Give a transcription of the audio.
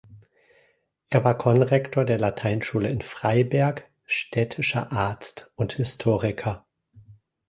Er war Konrektor der Lateinschule in Freiberg, städtischer Arzt und Historiker.